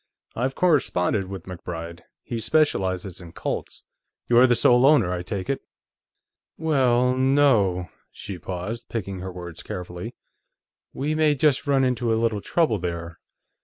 I've corresponded with MacBride; he specializes in Colts.... You're the sole owner, I take it?" "Well, no." She paused, picking her words carefully. "We may just run into a little trouble, there.